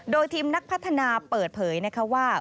โดยทีมนักพัฒนาเปิดเผยนะคะว่า